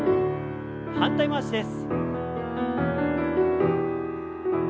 反対回しです。